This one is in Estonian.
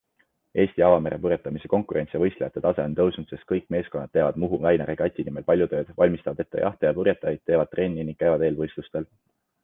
Eesti avamerepurjetamise konkurents ja võistlejate tase on tõusnud, sest kõik meeskonnad teevad Muhu väina regati nimel palju tööd - valmistavad ette jahte ja purjetajaid, teevad trenni ning käivad eelvõistlustel.